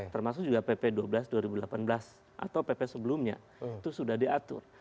termasuk juga pp dua belas dua ribu delapan belas atau pp sebelumnya itu sudah diatur